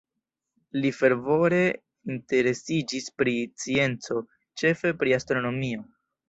Li fervore interesiĝis pri scienco, ĉefe pri astronomio.